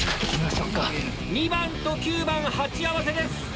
２番と９番鉢合わせです。